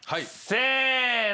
せの。